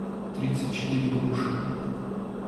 тридцать четыре груши